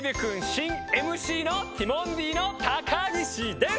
しんＭＣのティモンディの高岸です！